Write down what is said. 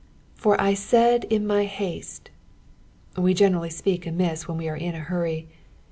" For leaidia my haite.' We generally speak amiss when we are in a hurry.